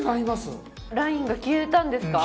ラインが消えたんですか？